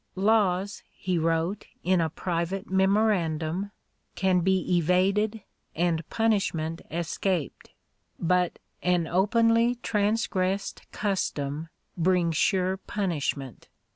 "Laws," he wrote, in a private memorandum, "can be evaded and punishment escaped, but an openly transgressed custom brings sure punishment.